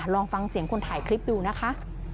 ลองฟังเสียงคนถ่ายคลิปดูนะคะ